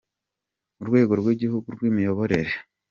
Urwego rwIgihugu rw’Imiyoborere.